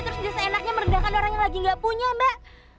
terus dia seenaknya merendahkan orang yang lagi nggak punya mbak